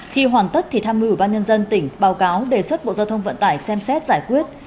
khi hoàn tất thì tham mưu ubnd tỉnh báo cáo đề xuất bộ giao thông vận tải xem xét giải quyết